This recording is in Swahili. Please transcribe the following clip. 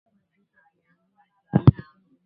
Kuchanganya wanyama